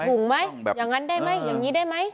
ถุงไหมอย่างนั้นได้ไหมอย่างนี้ได้ไหม